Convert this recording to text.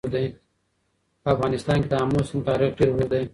په افغانستان کې د آمو سیند تاریخ ډېر اوږد دی.